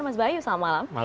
mas bayu selamat malam